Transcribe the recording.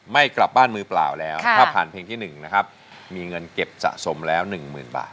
ไม่กลับบ้านมือเปล่าแล้วถ้าผ่านเพลงที่๑นะครับมีเงินเก็บสะสมแล้ว๑๐๐๐บาท